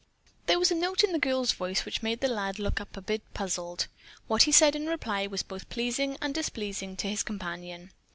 There was a note in the girl's voice which made the lad look up a bit puzzled. What he said in reply was both pleasing and displeasing to his companion.